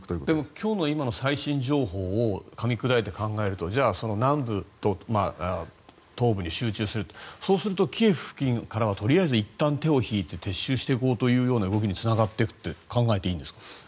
でも今日の今の最新情報をかみ砕いて考えると南部と東部に集中するそうするとキエフ付近からはとりあえずいったん手を引いて撤収していくというような動きにつながっていくと考えていいんですか？